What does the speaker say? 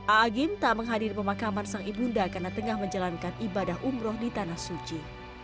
⁇ aagim ⁇ tak menghadiri pemakaman sang ibunda karena tengah menjalankan ibadah umroh di tanah suci